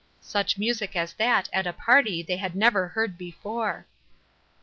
Such music as that at a party they had never heard before.